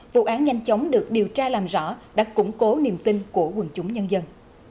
vụ án nhanh chóng được điều tra làm rõ đã củng cố niềm tin của quần chúng nhân dân